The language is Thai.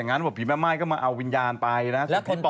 แต่พี่แม่ไม้ก็มาเอาวิญญาณไปนะครับ